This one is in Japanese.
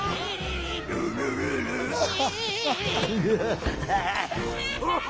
ウハハハ。